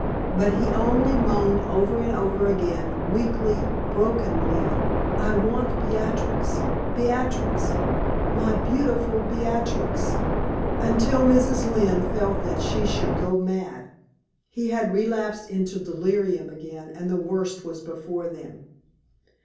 But he only moaned over and over again, weakly, brokenly: "I want Beatrix Beatrix, my beautiful Beatrix!" until Mrs. Lynne felt that she should go mad. He had relapsed into delirium again, and the worst was before them.